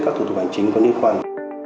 các thủ tục hành chính có liên quan